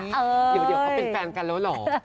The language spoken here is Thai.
เดี๋ยวเขาเป็นแฟนกันแล้วเหรอ